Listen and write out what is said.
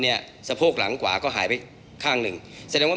มีการที่จะพยายามติดศิลป์บ่นเจ้าพระงานนะครับ